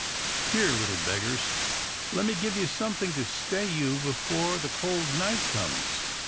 Here, little beggars, let me give you something to stay you before the cold night comes."